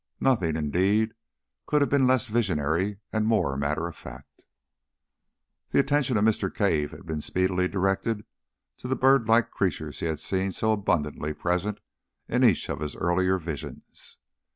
Nothing, indeed, could have been less visionary and more matter of fact. The attention of Mr. Cave had been speedily directed to the bird like creatures he had seen so abundantly present in each of his earlier visions.